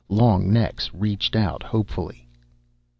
Long necks reached out hopefully.